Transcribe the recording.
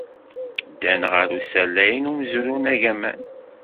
Ddan ɣer usalay n umezruy agaman.